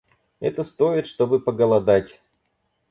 Это стоит, чтобы поголодать.